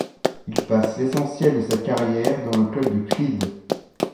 Il passe l'essentiel de sa carrière dans le club de Clyde.